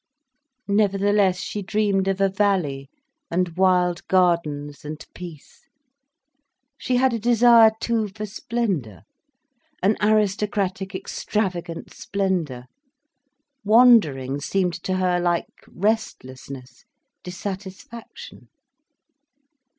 Nevertheless she dreamed of a valley, and wild gardens, and peace. She had a desire too for splendour—an aristocratic extravagant splendour. Wandering seemed to her like restlessness, dissatisfaction.